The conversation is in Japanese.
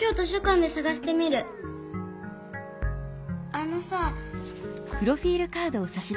あのさ。